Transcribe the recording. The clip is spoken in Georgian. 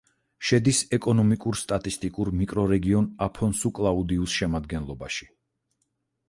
შედის ეკონომიკურ-სტატისტიკურ მიკრორეგიონ აფონსუ-კლაუდიუს შემადგენლობაში.